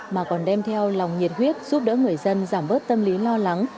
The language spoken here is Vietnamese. mà còn đem theo lòng nhiệt huyết giúp đỡ người dân giảm bớt tâm lý lo lắng